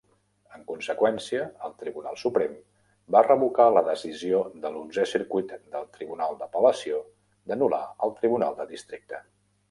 En conseqüència, el Tribunal Suprem va revocar la decisió de l'onzè circuit del Tribunal d'Apel·lació d'anul·lar el tribunal de districte.